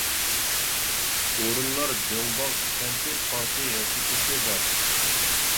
ئورۇنلار دۆڭباغ كەنتى پارتىيە ياچېيكىسى بار.